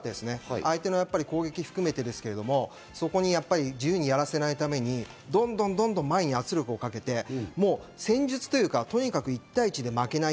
相手の攻撃含めてですけど、自由にやらせないために、どんどん前に圧力をかけて、戦術というか、とにかく１対１で負けない。